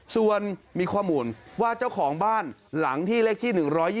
ส่วนมีข้อมูลว่าเจ้าของบ้านหลังที่เลขที่๑๒๒